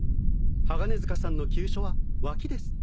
鋼鐵塚さんの急所は脇です。